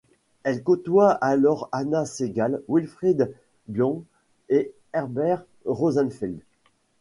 Elle côtoie alors Hanna Segal, Wilfred Bion et Herbert Rosenfeld.